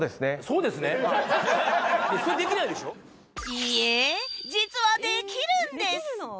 いえ実はできるんです！